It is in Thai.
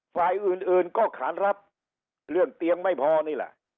ฝ่ายอื่นก็ขานรับเรื่องเตียงไม่พอนี่แหละ